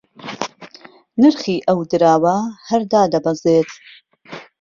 نرخی ئەو دراوە هەر دادەبەزێت